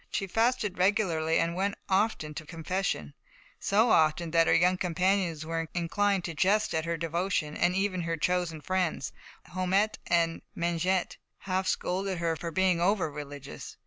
She fasted regularly, and went often to confession; so often, that her young companions were inclined to jest at her devotion, and even her chosen friends, Haumette and Mengette, half scolded her for being over religious.